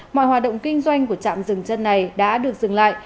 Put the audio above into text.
mọi hoạt động kinh doanh của trạm rừng chân này đã được dừng lại